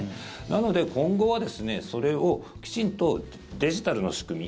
なので今後はそれをきちんとデジタルの仕組み